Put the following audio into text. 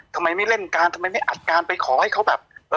ทำไมไม่เล่นการทำไมไม่อัดการไปขอให้เขาแบบ